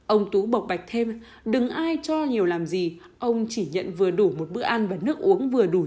ông tú bọc bạch thêm đừng ai cho nhiều làm gì ông chỉ nhận vừa đủ một bữa ăn và nước uống vừa đủ dùng thôi